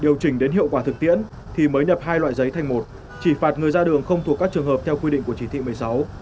điều chỉnh đến hiệu quả thực tiễn thì mới nhập hai loại giấy thành một chỉ phạt người ra đường không thuộc các trường hợp theo quy định của chỉ thị một mươi sáu